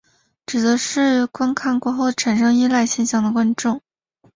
指的是于观看过后产生依赖现象的观众。